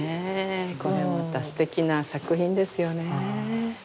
これまたすてきな作品ですよねえ。